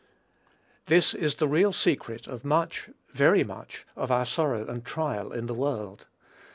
This is the real secret of much, very much, of our sorrow and trial in the world.